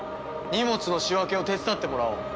荷物の仕分けを手伝ってもらおう。